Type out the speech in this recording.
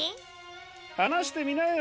はなしてみなよ